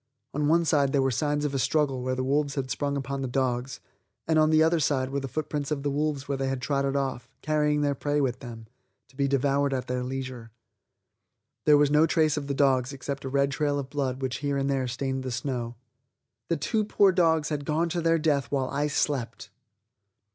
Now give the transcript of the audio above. On one side there were signs of a struggle where the wolves had sprung upon the dogs, and on the other sides were the footprints of the wolves where they trotted off, carrying their prey with them, to be devoured at their leisure. There was no trace of the dogs except a red trail of blood which here and there stained the snow. The two poor dogs had gone to their death while I slept!